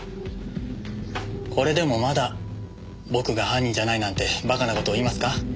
これでもまだ僕が犯人じゃないなんてバカな事を言いますか？